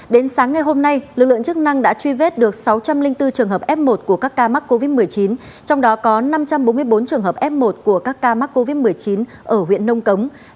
đến sáng ngày hôm nay lực lượng chức năng đã truy vết được sáu trăm linh bốn trường hợp f một của các ca mắc covid một mươi chín trong đó có năm trăm bốn mươi bốn trường hợp f một của các ca mắc covid một mươi chín ở huyện nông cống